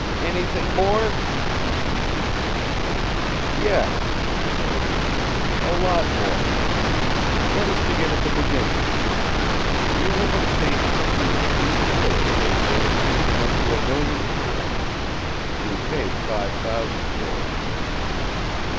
"Anything more?" asked he. "Yes," replied the other, "a lot more. Let us begin at the beginning. You have obtained from me a piece of real estate worth anything up to a million pounds; you paid five thousand for it."